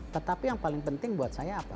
tetapi yang paling penting buat saya apa